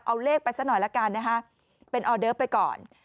เอาเลขไปซะหน่อยละกันนะคะเป็นออเดิฟไปก่อน